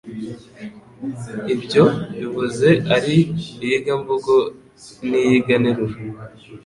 ibyo bivuze ari iyigamvugo n'iyiganteruro